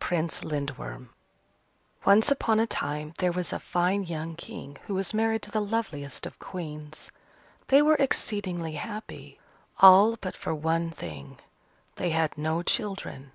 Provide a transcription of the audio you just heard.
PRINCE LINDWORM Once upon a time, there was a fine young King who was married to the loveliest of Queens. They were exceedingly happy, all but for one thing they had no children.